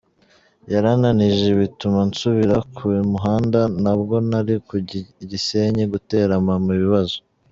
Yarananije bituma nsubira ku muhanda, ntabwo nari kujya i Gisenyi gutera mama ibibazo.